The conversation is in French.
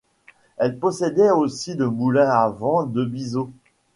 Elle possédait aussi le moulin à vent de Bizeau.